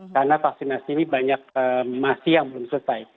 karena vaksinasi ini banyak masih yang belum selesai